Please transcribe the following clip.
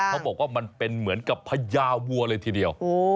เขาบอกว่ามันเป็นเหมือนกับพญาวัวเลยทีเดียว